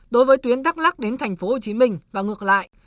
đối với tuyến đắk lắc đến thành phố hồ chí minh và ngược lại